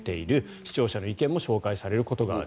視聴者の意見も紹介されることがある。